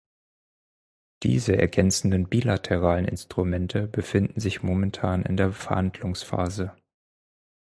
Diese ergänzenden bilateralen Instrumente befinden sich momentan in der Verhandlungsphase.